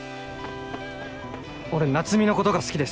俺夏海のことが好きです。